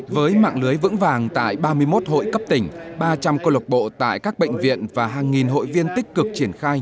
với mạng lưới vững vàng tại ba mươi một hội cấp tỉnh ba trăm linh cơ lộc bộ tại các bệnh viện và hàng nghìn hội viên tích cực triển khai